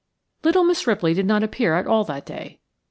Little Miss Ripley did not appear at all that day.